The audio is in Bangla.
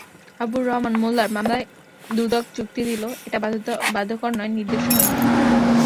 হাবিবুর রহমান মোল্লার মামলায় দুদক যুক্তি দিল, এটা বাধ্যকর নয়, নির্দেশনামূলক।